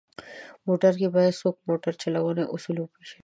موټر کې باید څوک موټر چلونې اصول وپېژني.